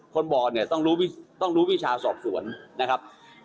คนบอกเนี่ยต้องรู้วิชาสอบสวนนะครับ